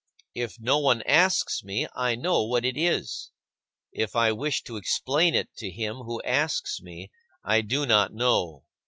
If no one asks me, I know what it is. If I wish to explain it to him who asks me, I do not know.